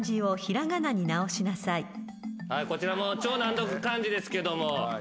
こちらも超難読漢字ですけども。